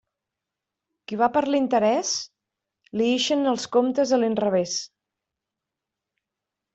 Qui va per l'interés, li ixen els comptes a l'inrevés.